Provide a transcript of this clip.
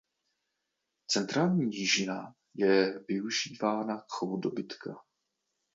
Centrální nížina je využívána k chovu dobytka.